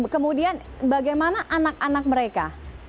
kemudian bagaimana anak anak mereka